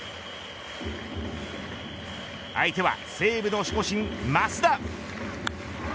相手は西武の守護神、増田。